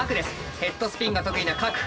ヘッドスピンが得意なＫａｋｕ。